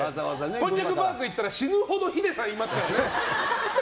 こんにゃくパーク行ったら死ぬほどヒデさんいますからね。